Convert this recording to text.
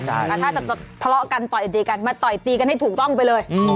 แต่ถ้าจะทะเลาะกันต่อยตีกันมาต่อยตีกันให้ถูกต้องไปเลย